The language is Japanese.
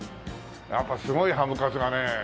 やっぱすごいハムカツがね。